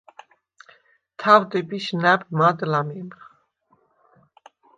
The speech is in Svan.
თაუ̂დებიშ ნა̈ბ მად ლამემხ.